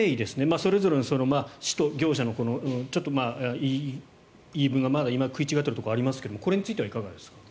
それぞれ、市と業者の言い分がまだ食い違っているところがありますがこれについてはいかがですか。